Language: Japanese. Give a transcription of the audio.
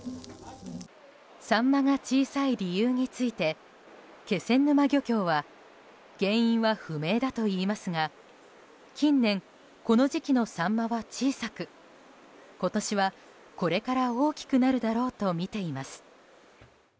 サンマが小さい理由について気仙沼漁協は原因は不明だといいますが近年、この時期のサンマは小さく今年は、これから大きくなるだろうとみています。